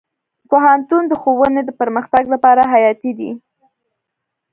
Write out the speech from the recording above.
پوهنتون د ښوونې د پرمختګ لپاره حیاتي دی.